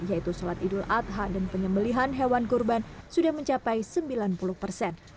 yaitu sholat idul adha dan penyembelihan hewan kurban sudah mencapai sembilan puluh persen